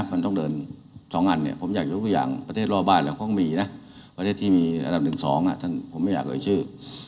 มันต้องเดิน๒อันเนี่ยผมอยากยกตัวอย่างประเทศรอบบ้านเราก็มีนะประเทศที่มีอันดับ๑๒ผมไม่อยากเอ่ยชื่อ